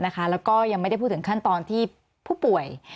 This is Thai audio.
แล้วก็ยังไม่ได้พูดถึงขั้นตอนที่ผู้ป่วย